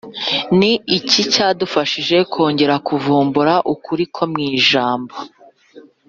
Ni iki cyadufashije kongera kuvumbura ukuri ko mu Ijambo